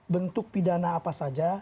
bentuk pidana apa saja